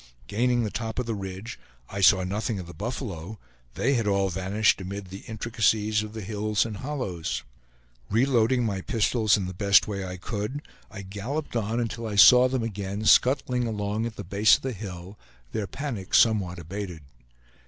Gaining the top of the ridge, I saw nothing of the buffalo; they had all vanished amid the intricacies of the hills and hollows. Reloading my pistols, in the best way I could, I galloped on until I saw them again scuttling along at the base of the hill, their panic somewhat abated.